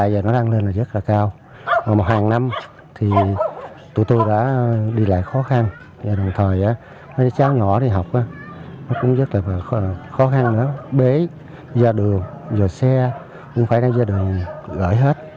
bê ra đường vào xe cũng phải ra đường gửi hết